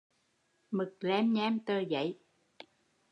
Mực làm nhem tờ giấy